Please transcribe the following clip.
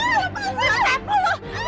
jangan seren tenir